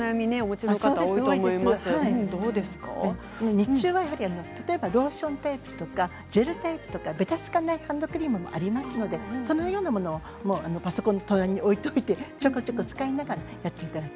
日中は例えばローションタイプとかジェルタイプべたつかないハンドクリームもありますのでパソコンの隣に置いてちょこちょこ使いながらやっていただく。